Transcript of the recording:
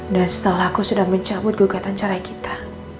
dan setelah aku sudah mencabut gugatan cerai kita